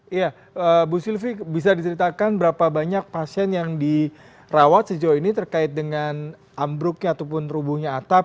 iya ibu sylvie bisa diceritakan berapa banyak pasien yang dirawat sejauh ini terkait dengan ambruknya ataupun rubuhnya atap